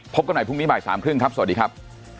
พบกันใหม่พรุ่งนี้สองครึ่งครับสวัสดีครับ